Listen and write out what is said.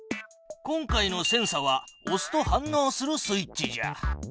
今回のセンサはおすと反のうするスイッチじゃ。